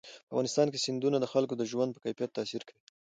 په افغانستان کې سیندونه د خلکو د ژوند په کیفیت تاثیر کوي.